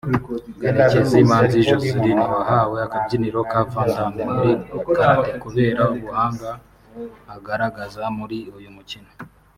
Karenzi Manzi Joslyn wahawe akabyiniriro ka Vandamme muri Karate kubera ubuhanga agaragaza muri uyu mukino